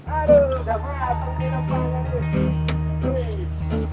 aduh udah banget